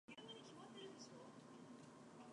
Feodosia is also a gateway to other attractions in Crimea.